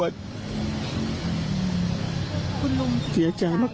เศรษฐีมาก